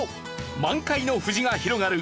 満開の藤が広がる